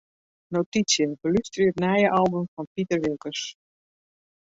Notysje: Belústerje it nije album fan Piter Wilkens.